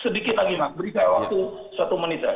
sedikit lagi mas beri saya waktu satu menit saja